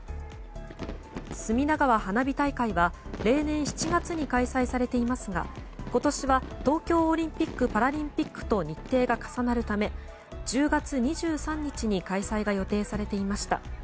隅田川花火大会は例年７月に開催されていますが今年は東京オリンピック・パラリンピックと日程が重なるため１０月２３日に開催が予定されていました。